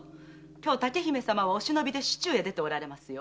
今日竹姫様はお忍びで市中へ出ておられますよ。